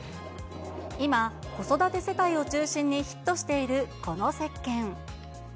今、子育て世帯を中心にヒットしているこのせっけん。